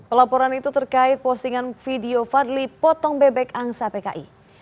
pelaporan itu terkait postingan video fadli potong bebek angsa pki